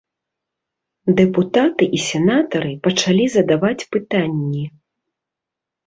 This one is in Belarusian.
Дэпутаты і сенатары пачалі задаваць пытанні.